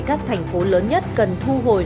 các thành phố lớn nhất cần thu hồi